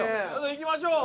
いきましょう。